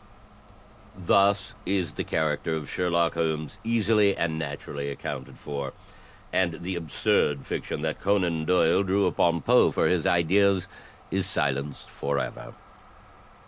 Thus is the character of Sherlock Holmes easily and naturally accoimted for, and the absurd fiction that Conan Doyle drew upon Poe for his ideas is silenced forever."